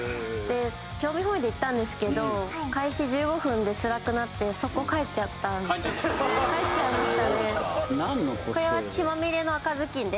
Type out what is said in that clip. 興味本位で行ったんですけど開始１５分でつらくなって即行帰っちゃった帰っちゃったんだ帰っちゃいましたね何のコスプレで？